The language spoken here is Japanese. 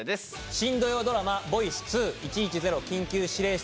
新土曜ドラマ『ボイス１１０緊急指令室』